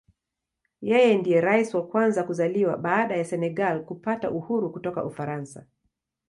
Yeye ndiye Rais wa kwanza kuzaliwa baada ya Senegal kupata uhuru kutoka Ufaransa.